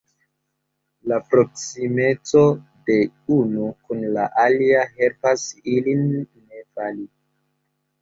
La proksimeco de unu kun la alia helpas ilin ne fali.